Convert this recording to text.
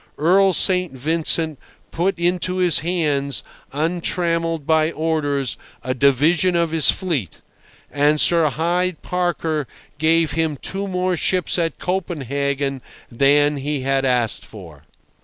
Earl St. Vincent put into his hands, untrammelled by orders, a division of his fleet, and Sir Hyde Parker gave him two more ships at Copenhagen than he had asked for.